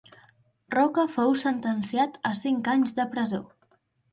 Roca fou sentenciat a cinc anys de presó.